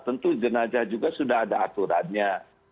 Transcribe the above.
tentu jenazah juga sudah ada aturannya